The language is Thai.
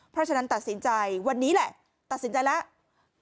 เพราะฉะนั้นตัดสินใจวันนี้แหละตัดสินใจแล้ว